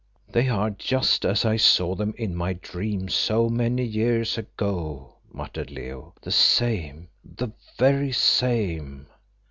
"They are just as I saw them in my dream so many years ago," muttered Leo; "the same, the very same."